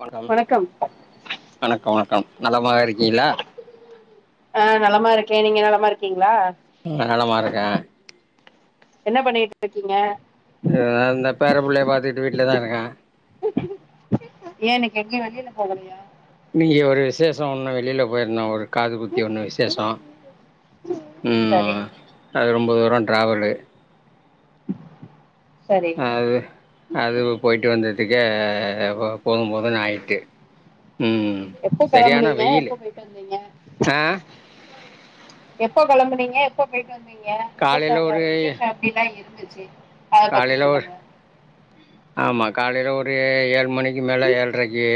வணக்கம் வணக்கம் வணக்கம் நலமாக இருக்கீளா அ நலமா இருக்கே நீங்க நலமா இருக்கீங்ளா ம் நலமா இருக்க என்ன பண்ணிட்டு இருக்கீங்க அ நா இந்த பேர புள்ளையை பாத்துட்டு வீட்லதா இருக்க ஏ இன்னிக்கு எங்கயு வெளில போகலையா இன்னிக்கி ஒரு விசேஷோ ஒன்னு வெளில போய்ருந்தோ ஒரு காது குத்தி ஒன்னு விசேஷோ சரி ம் அது ரொம்ப தூரோ ட்ராவலு சரி அது அது போய்ட்டு வந்ததுக்கே போது போதுன் ஆய்ட்டு ம் எப்ப சரியான கெளம்புனீங்க வெயிலு எப்ப பேய்ட்டு வந்தீங்க ஆ எப்போ கிளம்புனீங்க எப்ப போயிட்டு வந்தீங்க காலையில விசேஷங்கள் ஒரு விசேஷம் எப்டிலா இருந்துச்சு அத பத்தி காலைல ஒரு சொல்லுங்க ஆமா காலையில ஒரு ஏழு மணிக்கு மேலே ஏல்ரைக்கு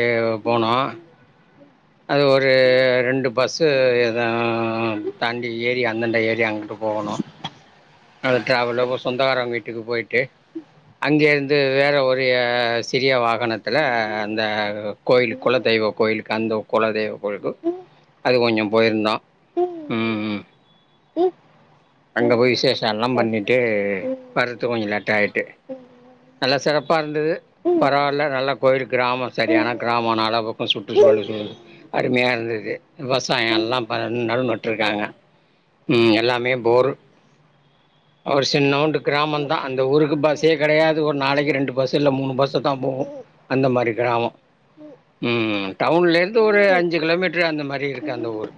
போனோ அது ஒரு ரெண்டு பஸ்ஸு எத தாண்டி ஏரி அந்தாண்ட ஏரி அங்குட்டு போகணும் அந்த டிராவலு சொந்தகாரவங்க வீட்டுக்கு போய்ட்டு அங்கே இரு ந்து இது வேற ஒருய சிறிய வா ணத்துல அந்த கோயிலு குல தெய்வ கோயிலுக்கு அந்தோ கொலதெய்வ கோயில்க்கு அது கொஞ்சோ போய்ருந்தோ ம் ம் அங்க போய் விசேஷோல்லா பண்ணிட்டு வர்றதுக்கு கொஞ்சோ லேட் ஆய்ட்டு நல்ல சிறப்பா இருந்தது பரவால்ல நல்லா கோயில் கிராமோ சரியான கிராமோ நாலா பக்கோ சுற்றுச்சூழலுக்கு அருமையா இருந்தது விவசாயோ எல்லா பன்ன நடவுநட்ருக்காங்க ம் எல்லாமே போரூர் ஒரு சின்னோண்டு கிராமந்தா அந்த ஊருக்கு பஸ்ஸே கெடையாது ஒரு நாளைக்கி ரெண்டு பஸ்சு இல்ல மூணு பஸ்சு தா போவு அந்த மாரி க்ராமோ ம் டவுன்லேந்து ஒரு அஞ்சு கிலோமீட்ரு அந்த மாரி இருக்கு அந்த ஊரு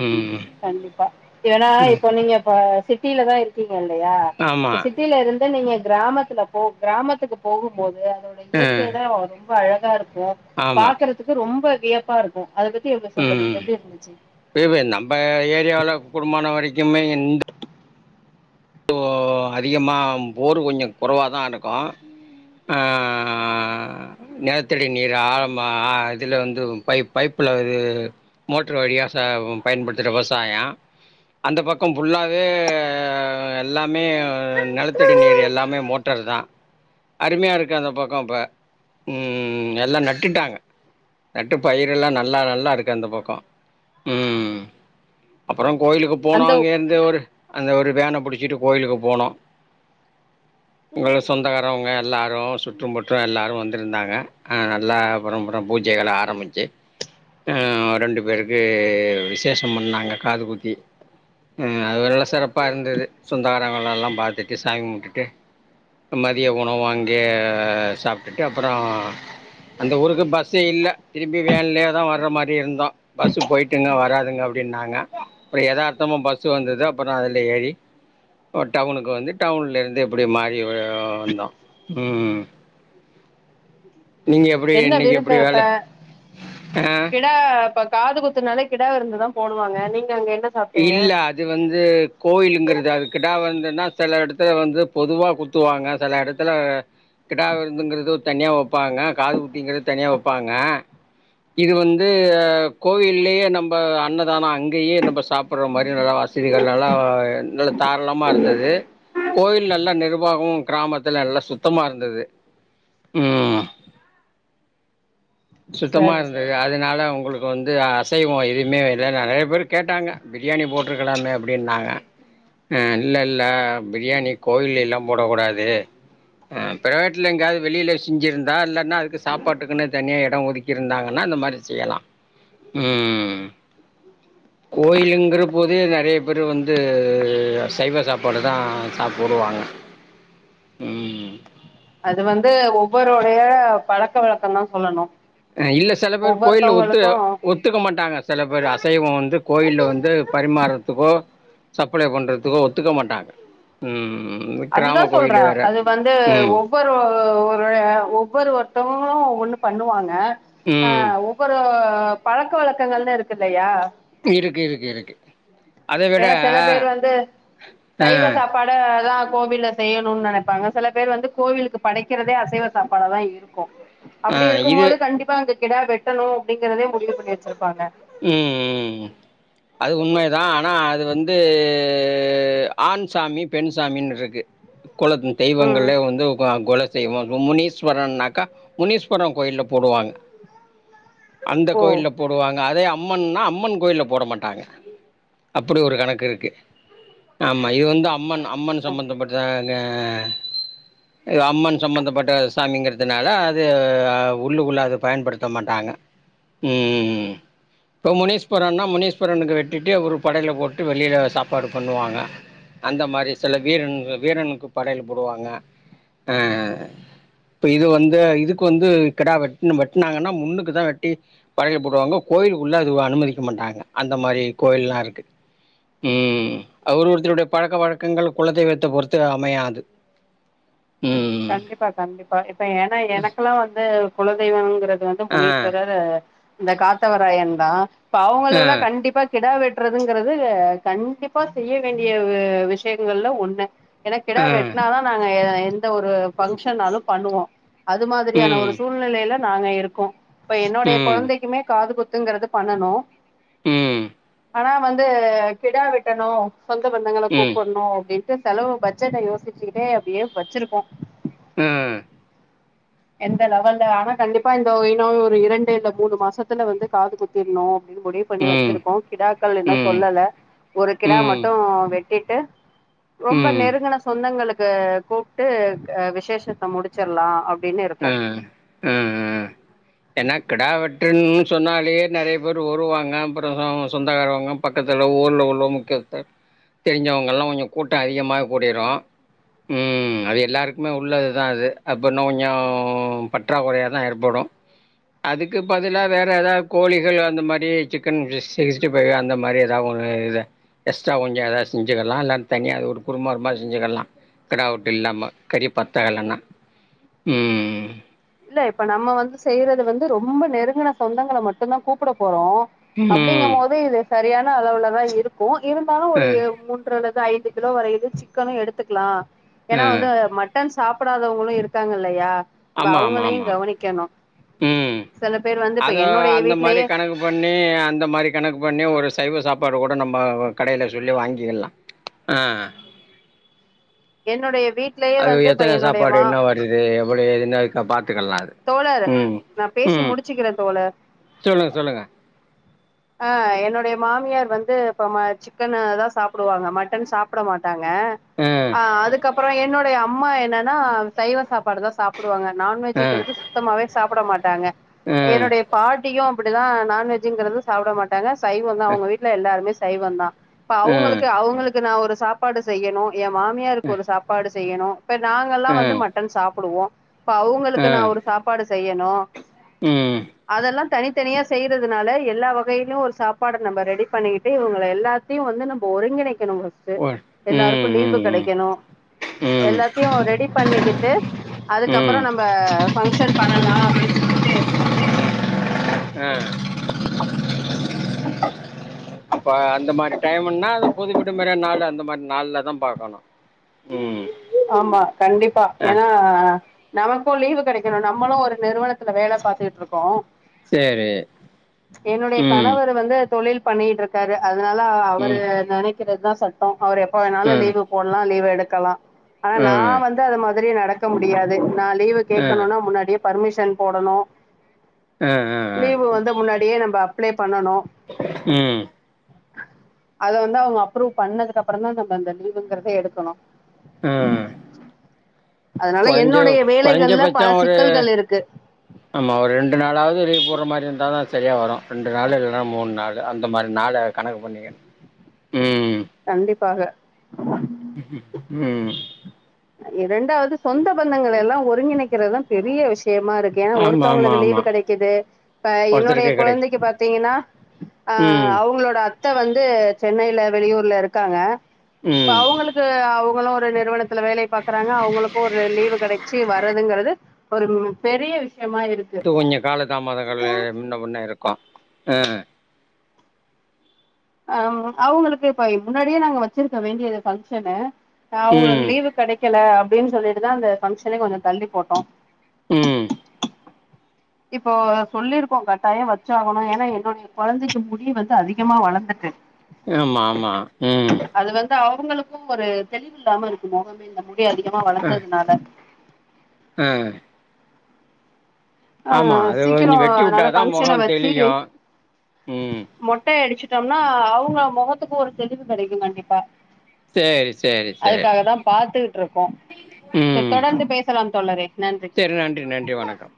ம் கண்டிப்பா ஏனா ம் இப்ப நீங்க இப்ப சிட்டில தா இருக் க்கீங்க இல்லையா ஆமா இப்ப சிட்டில இருந்து நீங்க கிராமத்துல போ கிராமத்துக்கு போகும்போது அதோட ஆ இயற்கை தா ரொம்ப அழகா இருக்கு ஆமா பாக்கறதுக்கு ரொம்ப வியப்பா இருக் க்கு அத பத்தி இங்க சொல்லுங்க எப்டி இருந்துச்சி ஏபே நம்ம ஏரியாவுல கூடுமான வரைக்குமே இந்த ஓ அதிகமாக போர் கொஞ்சோ குறவா தா இருக்கு அ நிலத்தடி நீர் ஆழமா இதுல வந்து பைப் பைப்புல இது மோட்ரு வழியா ச பயன்படுத்துற விவசாயோ அந்த பக்கோ ஃபுல்லாவே அ எல்லாமே நெலத்தடி நீர் எல்லாமே மோட்டர் தா அருமையா இருக்கு அந்த பக்கோ இப்ப ம் எல்லா நட்டுட்டாங்க நட்டு பயிர் எல்லா நல்லா நல்லா இருக்கு அந்த பக்கோ ம் அப்பறோ கோயிலுக்கு போனா அந்த அங்க இருந்து ஒரு அந்த ஒரு வேன புடிச் ச்சிட்டு கோயிலுக்கு போனோ [inaudible] உங்களு சொந்தக்காரவங்க எல்லாரு சுற்றம்புற்றோ எல்லாரு வந்திருந்தாங்க அ நல்லா அப்ரோப்ரோ பூஜைகள ஆரம்பிச்சி ரெண்டு பேருக்கு விசேஷம் பண்ணாங்க காது குத்தி ம் அது வெர்ல்லு சிறப்பா இருந்துது சொந்தகாரவங்களலா பாத்துட்டு சாமி கும்டுட்டு மதிய உணவு அங்கயே சாப்ட்டுட்டு அப்பறோ அந்த ஊருக்கு பஸ்ஸே இல்ல திரும்பியு வேன்லயே தா வர்ற மாரி இருந்தோ பஸ்சு போய்ட்டுங்க வராதுங்க அப்டின்னாங்க அப்றோ எதார்த்தமா பஸ்சு வந்தது அப்பறோ அதுல ஏறி டவுனுக்கு வந்து டவுன்ல இருந்து எப்டி மாறி வந்தோ ம் நீங்க எப்டி என்ன இன்னைக்கி விருந்து எப்டி வேல ஆ க இப்ப காது குத்துனாலே கிடா விருந்துதா போடுவாங்க நீங்க அங்க என்ன சாப்ட்டீங்க இல்ல அது வந்து கோயிலுங்கிறது அது கிடா வந்துன்னா செல இடத்துல வந்து பொதுவா குத் துவாங்க செல எடத்துல கிடா விருந்துங்கிறது ஒரு தனியா வெப்பாங்க காது குத்திங்கிறது தனியா வெப்பாங்க இது வந்து கோவில்லயே நம்ப அன்னதானோ அங்கேயே நம்ப சாப்புட்ற மாரி நல்லா வசதிகள் எல்லா நல்லா தாராளமா இருந்தது கோயில்லல்லா நிர்வாகமு கிராமத்துல நல்லா சுத்தமா இருந்தது ம் சுத்தமா சரி சரி இருந்தது அது னால உங்களுக்கு வந்து அசைவோ எதுவுமே இல்ல நெறைய பேர் கேட்டாங்க பிரியாணி போட் போட்ருக்கலாமே அப்டின்னாங்க அ இல்லல்ல பிரியாணி கோயில்லெல்லா போடகூடாது அ ப்ரைவேட்ல எங்யாது வெளில செஞ்சிருந்தா இல்லன்னா அதுக்கு சாப்பாட்டுக்குன்னு தனியா எ டோ ஒதுக்கிருந்தாங்கன்னா அந்த மாரி செய்யலா ம் கோயிலுங்கற போதே நெறய பேரு வந்து சைவ சாப்பாடு தா சாப்புடுவாங் அது வந்து ஒவ்வறோடைய பழக்க வழக்கந்தா சொல்லணு இல்ல செல பேரு கோயில்ல ஒத்து ஒத் துக்க மாட்டாங்க செல பேரு அசைவோ வந்து கோயில்ல வந்து பரிமாரத்துக்கோ சப்ளே பண்றதுக்கு ஒத்துக்க மாட்டாங்க ம் கிராம அதுதான் கோயிலு சொல்றேன் வேற அது வந்து ம் ஒவ்வொரு ஒரு ஒவ்வொரு ஒருத்தவங்களு ஒவ்வொன்னு பண்ணுவாங்க ஆ ம் ஒவ்வொரு பழக்க வழக்கங்கள்னுருக்கில்லயா இருக்கு இருக்கு இருக்கு அத விட ஏனா சில பேர் வந்து ஆ சைவ சாப்பா டு தா கோவில்ல செய்யணு நெனைப்பாங்க சில பேர் வந்து கோவிலுக்கு படைக்கிறதே அசைவ சாப்பாடாதா இருக்கு ஆ அப்டி இருக்கும் இது மோது கண்டிப்பா அங்க கிடா வெட்டணு அப்டிங்கிறதே முடிவு பண்ணி வெச்சிருப்பாங்க ம் ம் அது உண்மைதா ஆனா அது வந்து ஆண் சாமி பெண்சாமின்ருக்கு கொல ம் தெய்வங்கள்லேவு வந்து க கொல தெய்வோ கு முனீஸ்வரன்னாக்கா முனீஸ்வர கோயில்ல போடுவாங்க அந்த ஓ கோயில்ல போடுவாங்க அதே அம்மன்னா அம்மன் கோயில்ல போட மாட்டாங்க அப்புடி ஒரு கணக்கிருக்கு ஆமா இது வந்து அம்மன் அம்மன் ம் சம்மந்தப்பட் தான அம்மன் சம்மந்தப்பட்ட சாமிங்கிற்துனால அது அ உள்ளுக்குள்ள அது பயன்படுத்த மாட்டாங்க ம் ம் இப்ப முனீஸ்வரன்னா முனீஸ்வரனுக்கு வெட்டிட்டு ஒரு படையல போட்டு வெளில சாப்பாடு பண்ணுவாங்க அந்த மாரி சில வீரன் க வீரனுக்கு படையலு போடுவாங்க அ இப்ப இது வந்து இதுக்கு வந்து கெடா வெட்னு வெட்னாங்கன்னா முன்னுக்கு தா வெட்டி படையல் போடுவாங்கோ கோயிலுக்குள்ள அது அனுமதிக்க மாட்டாங்க அந்த மாரி கோயில்லா இருக்கு. ம் அது ஒரு ஒருத்தருடைய பழக்க வழக்கங்கள் குலதெய்வத்த பொறுத்து அமையாது ம் கண்டிப்பா கண்டிப்பா இப்ப ஏனா எனக்குல்லா வந்து குலதெய்வோங்கிறது வந் து ஆ முனீஸ்வரர் இந்த காத்தவராயன் தா இப்ப ஆ அவங்களெல்லா கண்டிப்பா கிடா வெட்றதுங்கறது கண்டிப்பா செய்ய வேண்டிய வு விஷயங்கள்ல ஒன்னு ஏனா கிடா ஆ வெட்னாதா நாங்க எ எந்த ஒரு ஃபங்க்ஷனாலு பண்ணுவோ அது மாதிரியான ம் ஒரு சூழ்நிலைல நாங்க இருக்கோ இப்ப என்னோடைய ம் கொழந்தைக்குமே காது குத் துங்கறது பண்ணனு ம் ஆனா வந்து கிடா வெட்டணு சொந்த பந்தங்கள ம் கூப்பட்ணு அப்டின்டு செலவு பட்ஜெட்ட யோஸ்ச்சு வச்சுக்கிட்டே அப்டியே வச்சிருக்கோ ம் எந்த லெவல்ல ஆனா கண்டிப்பா இந்த இன்னு ஒரு இரண்டு இல்ல மூணு மாசத்துல வந்து காது குத் தீர்னு அப்டினு முடிவு பண்ணி ம் வச்சிருக்கோ கிடாக்கள் இன்னு ம் சொல்லல ஒரு கிடா ம் மட்டு வெட்டிட்டு ரொம்ப ம் நெருங்கன சொந்தங்களுக்கு கூப்ட்டு அ விசேஷத்த முடிச்சிர்லா அப்டினு இருக்கோ ம் என்னா கெட வெட்டுன்னு சொன்னாலே நெறய பேரே வருவாங்க அப்புற [unintelligible] சொந்தகாரவாங்க பக்கத்துல ஊர்ல உள்ள முக்கியத்தர் தெரிஞ்சவங்கலா கொஞ்சோ கூட்டோ அதிகமாக கூடிரு ம் அது எல்லாருக்குமே உள்ளதுதா அது அப்போ இன்னோ கொஞ்சோ பற்றாக்குறயாதா ஏற்படு அதுக்கு பதிலா வேற எதாவ் கோழிகள் அந்த மாரி சிக்கன் சிக்ஸ்ட்டி சிக்ஸ்ட்டி ஃபைவு அந்த மாரி எதாவ் ஒன்னு இது எக்ஸ்ட்ரா கொஞ்சோ எதா செஞ்சுக்கிட்லா இல்ல தனியா ஒரு குருமா ருமா செஞ்சுக்கிட்லா கெடா வெட்டு இல்லாம கறி பத்தகலன்னா ம் இல்ல இப்ப நம்ம வந்து செய்யறது வந்து ரொம்ப நெருங்கன சொந்தங்கள மட்டுந்தா கூப்புட போறோ ம் அப்டிங்கமோது இது சரியான அளவுலதா இருக்கு இருந்தாலு ஆ ஒரு மூ ன்று அல்லது ஐந்து கிலோ வரையிது சிக்கனு எடுத்துக்லா ஆ ஏனா வந்து ம ட்டன் சாப்பிடாதவங்களு இருக்காங்க இல்லையா இப்ப ஆமா ஆமா அவங்களையு ஆமா கவனிக்கணு ம் சில பேர் வந்து இப்ப அது என்னுடைய அந்த மாரி வீட்லயே கணக்கு பண்ணி அந்த மாரி கணக்கு பண்ணி ஒரு சைவ சாப்பாடு கூட நம்ம வ கடைல சொல்லி வாங்கிக்கலா ஆ என்னுடைய வீட் அது எத்தன சாப்பாடு என்ன வருது எப்படி எதுனா இருக்க பாத்துக்கலா தோழர் நா பேசி முடிச்சுக்கிறே தோழர் சொல்லுங்க சொல்லுங்க ஆ என்னுடைய மாமியார் வந்து ப ம சிக்கனுதா சாப்புடுவாங்க மட்டன் சாப் பிட மாட்டாங்க ஆ அ அதுக்கப்புறோ என்னுடைய அம்மா என்னன்னா சைவ சாப்பாடுதா சாப்புடுவாங்க ஆ நான்வெஜ்ங்கிறது சுத்தமாவே சாப்பிட மாட்டாங்க ஆ என்னுடைய பாட்டியும் அப்படிலா நான்வெஜ்ங்கறது சாப்பிட மாட்டாங்க சைவொ தா அவுங்க வீட்ல எல்லாருமே சைவந்தா இப்ப அ ஆ அவுங்களுக்கு அவுங்களுக்கு நா ஒரு சாப்பாடு செய்யணு எ மாமியாருக்கு ஒரு சாப்பாடு செய்யணு இப்ப நாங்கல்லா வந்து ஆ மட்டன் சாப்புடுவோ இப்ப ஆ அவுங்களுக்கு நா ஒரு சாப்பாடு செய்யணு ம் அதெல்லா தனித்தனியா செய்றதுனால எல்லா வ கயிலு ஒரு சாப்பாட நம்ப ரெடி பண்ணிக்கிட்டு இவுங்கள எல்லாத்தியு வந்து நம்ப ஒருங்கிணைக் கிணு ஒ [unintelligible] எல்லாருக்கு ம் லீவு ம் ம் கெடைக்கணு ம் எல்லாத்தியு ரெடி பண்ணிக்கிட்டு அதுக்கப்பறோ ம் நம்ழ ஃபங்ஷன் பண்ணலா அப்டின் சொல்லிட்டு இருக்கே அ [inaudible] அப்ப அந்த மாரி டைமின்னா அது பொது விடுமுறை நாளு அந்த மாரி நாள்ல தா பாக்கணு ஆமா கண்டிப்பா ஆ ஏனா நமக்கு லீவு கெடைக்கணு நம்மளு ஒரு நிறுவனத்துல வேல பத்துகிட்டுருக்கோ சரி என்னுடைய ம் கணவர் வந்து தொழில் பண்ணிகிட்ருக்காரு அதனால அவரு ம் நெனைக்கிறத்தா சட் டோ அவரு எப்ப வேணாலு ம் லீவு போடலா லீவு எடுக்கலா ஆனா ம் ஆ நா வந்து அது மா தரி நடக்க முடியாது நா லீவு ஆ கேட்கணுனா முன்னாடியே பர்மிஷன் போடணு ஆ ஆ லீவு வந்து முன்னாடியே நம்ப அப்ளை பண்ணணு ம் அத வந்து அவுங்க அப்ரூவ் பண்ணதுக்கு அப்பறந்தா நம்ப அந்த லீவுங்கறத எடுக்கணு ம் அதனால கொஞ்சோ என்னுடைய கொறைஞ்ச வேலைகள்ல பச்சோ பல ஒரு சிக்கல்கள் இருக்கு ஆமா ஒரு ரெண்டு நாளாவது லீவு போடற மாறி இருந்தாதா சரியா வரு ரெண்டு நாள் இல்லன்னா மூணு நாள் அந்த மாரி நாள கணக்கு பண்ணிக்க கண்டிப்பாக ம் ரெண்டாவது சொந்த பந்தங்களெல்லா ஒருங்கிணைக்கிறது தா பெரிய விஷயமா இருக்கு ஏனா ஆமாம் ஆமாம் ஒருத்தவங்களுக்கு லீவு ஆமாம் கெடைக்குது இப்ப என்னோடைய ஒருத்தருக்கே கிடை கொழந்தைக்கு பாத்தீங்கனா அ ம் அவங்களோட அத்த வந்து சென்னைல வெளியூர்ல இருக்காங்க இப்ப ம் அவுங்களுக் அவங்களு ஒரு நிறுவனத்துல வேலை பாக்குறாங்க அவங்களுக்கு ஒரு லீவு கிடச்சி வரதுங்கறது ஒரு பெரிய விஷயமா இருக் இப்ப கொஞ்ச கால தாமதங்கள் முன்ன பின்னே இருக்கோ ஆ அ அவங்களுக்கு இப்ப முன்னாடியே நாங்க வச்சிருக்க வேண்டியது பங்ஷனு அவங்களு ம் லீவு கெடைக்கல அப்டின்னு சொல்லிட்டுதா அந்த பங்ஷன்னையே கொஞ்சோ தள்ளி போட்டோ ம் இப்போ சொல்லியிருக்கோ கட்டாய வச்சாகணு ஏனா என்னுடைய கொழந்தைக்கு முடி வந்து அதிகமா வளந்துட்டு ஆமாமா ம் அது வந்து அவங்களுக்கு ஒரு தெளிவில்லாம இருக்குமோ இந்த முடி அதிகமா வளந்ததுனால ம் அ ஆமா அது சீக்கிரோ கொஞ்சம் வெட்டி நல்ல விட்டாதா பங்க்ஷன முகம் வச்சு தெளியும் ம் மொட்டை அடிச்சுட்டோம்னா அவங்க முகத்துக்கு ஒரு தெளிவு கெடைக்கு கண்டிப்பா சரி சரி சரி அதுக்காக தா பாத்துக்கிட்டு இருக்கோ சேரி தொடர்ந்து பேச வைச்சர்லா தோழரே நன்றி சேரி நன்றி நன்றி வணக்கம்